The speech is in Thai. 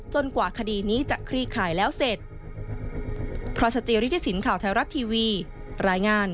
กว่าคดีนี้จะคลี่ข่ายแล้วเสร็จ